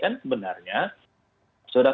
kan sebenarnya sudah